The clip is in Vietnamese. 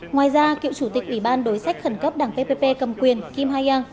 ngoài ra cựu chủ tịch ủy ban đối sách khẩn cấp đảng ppp cầm quyền kim ha yang